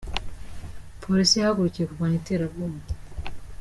Polisi yahagurukiye kurwanya iterabwoba